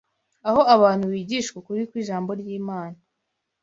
Aho abantu bigishwa ukuri kw’ijambo ry’Imana